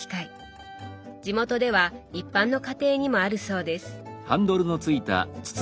地元では一般の家庭にもあるそうです。